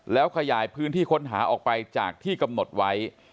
แล้วขยายพื้นที่ค้นหาออกไปจากที่กำหนดไว้